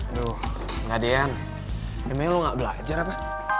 aduh enggak dian emang lo gak belajar apa